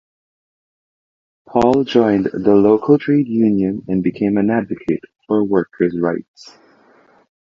Paul joined the local trade union and became an advocate for workers rights.